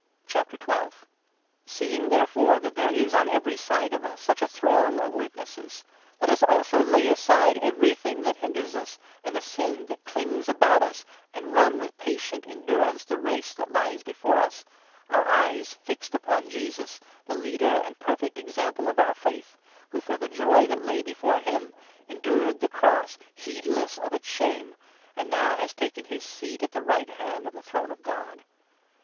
The Encourage Seeing, therefore, that there is on every side i ment of their of us such a throng of witnesses, let us also lay Endurance, aside everything that hinders us, and the sin that clings about us, and run with patient endurance the race that lies before us, our eyes fixed upon Jesus, the Leader and 2 perfect Example of our faith, who, for the joy that lay before him, endured the cross, heedless of its shame, and now ' has taken his seat at the right hand' of the throne of God.